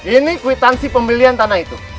ini kwitansi pembelian tanah itu